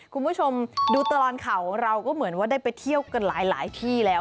คุณผู้ชมดูตลอดข่าวเราก็เหมือนว่าได้ไปเที่ยวกันหลายที่แล้ว